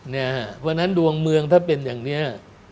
เพราะฉะนั้นดวงเมืองถ้าเป็นอย่างนี้